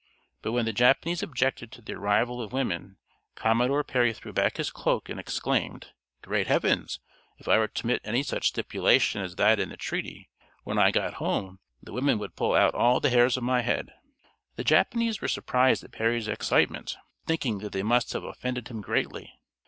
But when the Japanese objected to the arrival of women, Commodore Perry threw back his cloak and exclaimed, "Great heavens, if I were to permit any such stipulation as that in the treaty, when I got home the women would pull out all the hairs of my head!" The Japanese were surprised at Perry's excitement, thinking that they must have offended him greatly.